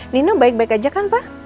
nino baik baik aja kan pak